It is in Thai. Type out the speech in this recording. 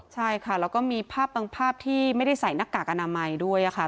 ใช่ค่ะแล้วก็มีภาพบางภาพที่ไม่ได้ใส่หน้ากากอนามัยด้วยค่ะ